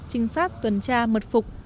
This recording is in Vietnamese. trinh sát tuần tra mật phục